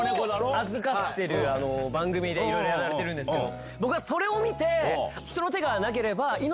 番組でいろいろやられてるんですけど。